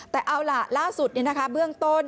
แต่เอาล่ะล่าสุดเนี่ยนะคะเบื้องต้น